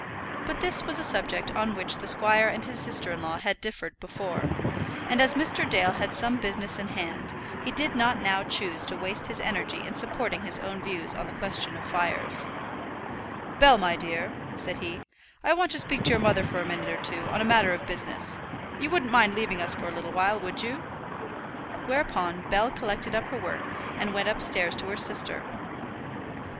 But this was a subject on which the squire and his sister in law had differed before, and as Mr. Dale had some business in hand, he did not now choose to waste his energy in supporting his own views on the question of fires. "Bell, my dear," said he, "I want to speak to your mother for a minute or two on a matter of business. You wouldn't mind leaving us for a little while, would you?" Whereupon Bell collected up her work and went upstairs to her sister.